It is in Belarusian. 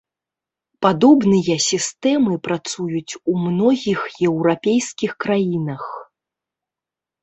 Падобныя сістэмы працуюць у многіх еўрапейскіх краінах.